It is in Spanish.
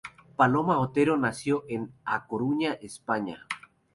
Paloma Otero nació en A Coruña, España.